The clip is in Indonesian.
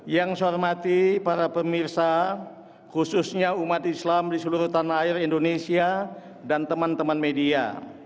yang saya hormati para pemirsa khususnya umat islam di seluruh tanah air indonesia dan teman teman media